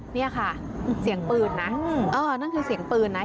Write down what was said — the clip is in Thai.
นี่ค่ะเสียงปืนนะนั่นคือเสียงปืนนะ